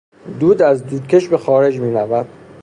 دود از دودکش به خارج میرود.